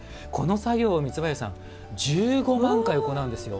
この作業、三林さん１５万回やるんですよ。